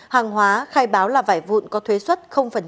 hàng hóa khai báo là vải vụn có thuế xuất